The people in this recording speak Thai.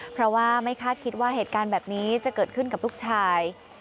เพราะว่าไม่คาดคิดว่าเหตุการณ์แบบนี้จะเกิดขึ้นกับลูกชาย